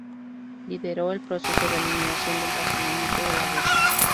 Lideró el proceso de eliminación del racionamiento de la guerra.